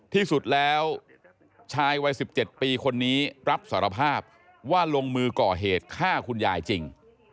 ที่สุดแล้วชายวัย๑๗ปีคนนี้รับสารภาพว่าลงมือก่อเหตุฆ่าคุณยายจริง